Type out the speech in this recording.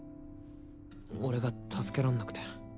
俺が助けらんなくて